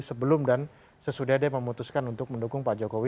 sebelum dan sesudah dia memutuskan untuk mendukung pak jokowi